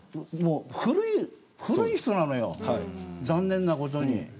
古い人なのよ残念なことに。